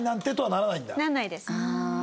ならないです。